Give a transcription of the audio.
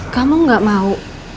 kamu gak mau